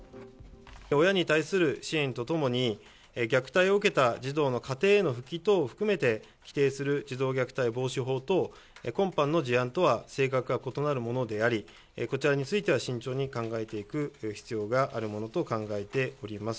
親に対する支援とともに、虐待を受けた児童の家庭への復帰等を含めて規定する児童虐待防止法と、今般の事案とは性格が異なるものであり、こちらについては慎重に考えていく必要があるものと考えております。